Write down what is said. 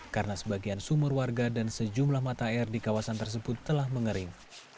karena sebagian sumur warga dan sejumlah mata air di kawasan tersebut telah mengering